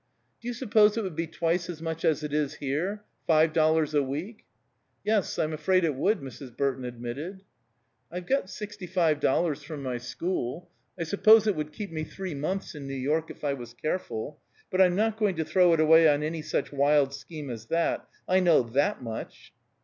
"Do you suppose it would be twice as much as it is here? Five dollars a week?" "Yes, I'm afraid it would," Mrs. Burton admitted. "I've got sixty five dollars from my school. I suppose it would keep me three months in New York, if I was careful. But I'm not going to throw it away on any such wild scheme as that. I know that much."